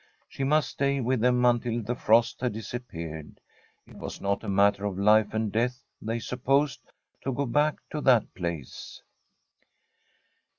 She must stay with them until the frost had dis appeared. It was not a matter of life and death, they supposed, to go back to that place.